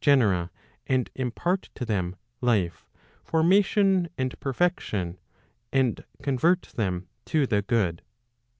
genera, and impart to them life, formation and perfection, and convert them to the good.